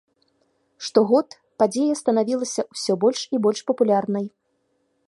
Штогод падзея станавілася ўсё больш і больш папулярнай.